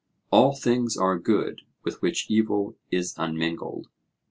'All things are good with which evil is unmingled.'